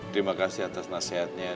terima kasih atas nasihatnya